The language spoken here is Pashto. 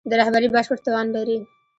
د رهبري بشپړ توان لري.